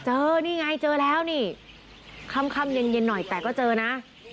นี่ไงเจอแล้วนี่ค่ำเย็นหน่อยแต่ก็เจอนะ